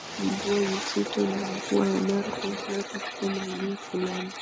Mvua nzito na mvua ya mara kwa mara katika maeneo fulani